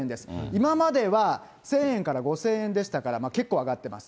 今までは１０００円から５０００円でしたから結構上がってます。